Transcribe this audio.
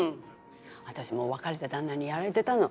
私も別れた旦那にやられてたの。